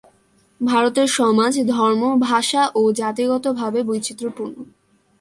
ভারতের সমাজ ধর্ম, ভাষা ও জাতিগতভাবে বৈচিত্র্যপূর্ণ।